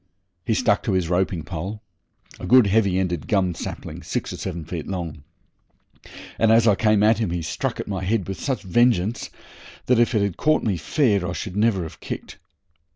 He stuck to his roping stick a good, heavy ended gum sapling, six or seven feet long and as I came at him he struck at my head with such vengeance that, if it had caught me fair, I should never have kicked.